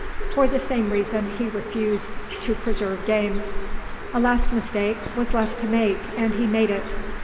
For the same reason, he refused to preserve game. A last mistake was left to make, and he made it.